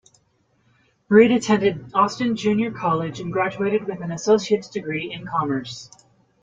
Brede attended Austin Junior College and graduated with an Associates degree in commerce.